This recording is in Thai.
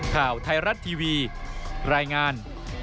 ข่าวไทยรัฐทีวีรายงาน